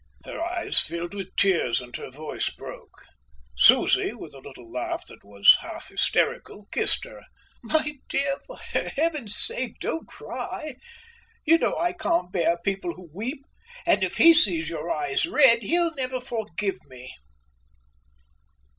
Her eyes filled with tears and her voice broke. Susie, with a little laugh that was half hysterical, kissed her. "My dear, for heaven's sake don't cry! You know I can't bear people who weep, and if he sees your eyes red, he'll never forgive me."